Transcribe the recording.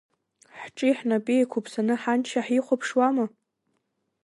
Ҳҿи-ҳнапи еиқуԥсаны ҳаншьа ҳихуаԥшуама?